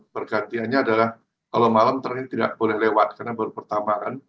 pergantiannya adalah kalau malam ternyata tidak boleh lewat karena baru pertama kan